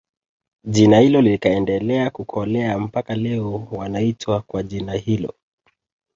Jina hilo likaendelea kukolea mpaka leo wanaitwa kwa jina hilo